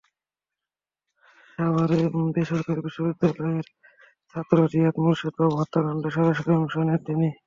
সাভারে বেসরকারি বিশ্ববিদ্যালয়ের ছাত্র রিয়াদ মোর্শেদ বাবু হত্যাকাণ্ডে সরাসরি অংশ নেন তিনি।